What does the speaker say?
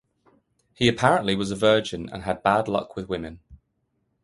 He apparently was a virgin, and had bad luck with women.